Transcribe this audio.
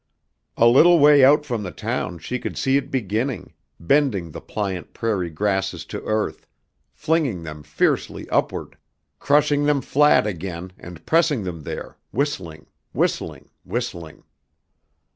A little way out from the town she could see it beginning, bending the pliant prairie grasses to earth, flinging them fiercely upward, crushing them flat again and pressing them there, whistling, whistling, whistling!